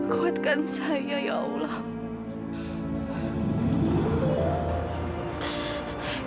kuatkan saya ya allah